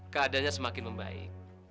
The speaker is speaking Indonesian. keadanya semakin membaik